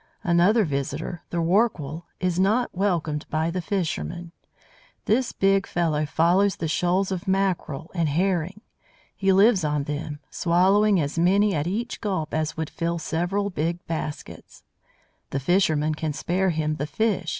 Another visitor, the Rorqual, is not welcomed by the fishermen. This big fellow follows the shoals of Mackerel and Herring. He lives on them, swallowing as many at each gulp as would fill several big baskets. The fishermen can spare him the fish.